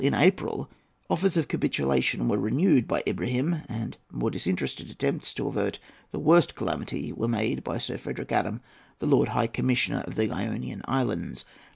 In April, offers of capitulation were renewed by Ibrahim, and more disinterested attempts to avert the worst calamity were made by Sir Frederick Adam, the Lord High Commissioner of the Ionian Islands.